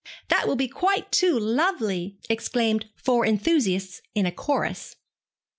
'That will be quite too lovely,' exclaimed four enthusiasts in a chorus.